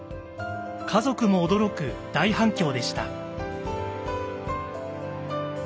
家族も驚く大反響でした。